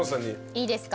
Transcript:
いいですか？